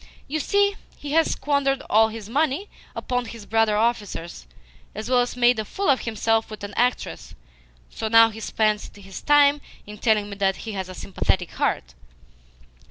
You see, he has squandered all his money upon his brother officers, as well as made a fool of himself with an actress; so now he spends his time in telling me that he has a sympathetic heart!"